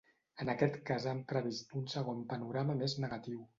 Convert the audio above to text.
En aquest cas han previst un segon panorama més negatiu.